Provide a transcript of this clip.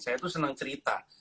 saya itu senang cerita